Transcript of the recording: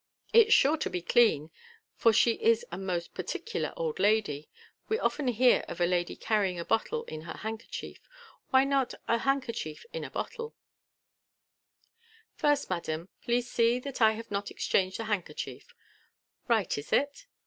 It's sure to be clean, for she is a most par ticular old lady. We often hear of a lady carrying a bottle in her handkerchief, why not a handkerchief in a bottle * First, madam, please see that I have not exchanged the handkerchief. Right, is it